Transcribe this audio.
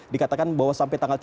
dikatakan bahwa sampai tanggal tiga